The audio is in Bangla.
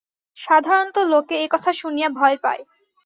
সাধারণত লোকে এ কথা শুনিয়া ভয় পায়।